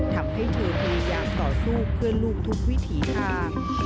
ทำให้เธอพยายามต่อสู้เพื่อลูกทุกวิถีทาง